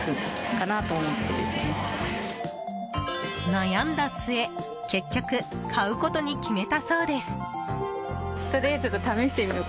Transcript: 悩んだ末結局、買うことに決めたそうです。